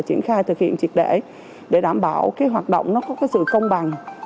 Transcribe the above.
triển khai thực hiện triệt để để đảm bảo cái hoạt động nó có cái sự công bằng